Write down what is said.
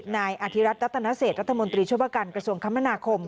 นายอธิรัฐรัตนเศษรัฐมนตรีช่วยว่าการกระทรวงคมนาคม